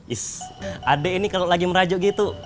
is adek ini kalau lagi merajuk gitu